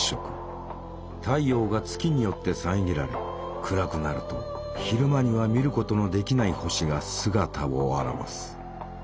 太陽が月によって遮られ暗くなると昼間には見ることのできない星が姿を現す。